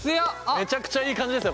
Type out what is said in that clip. めちゃくちゃいい感じですね